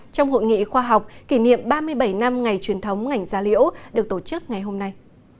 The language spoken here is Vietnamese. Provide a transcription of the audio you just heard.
trong hội nghị khoa học kỷ niệm ba mươi bảy năm ngày truyền thống ngành gia liễu được tổ chức ngày hôm nay